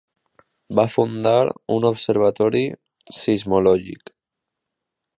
Va fundar un observatori sismològic.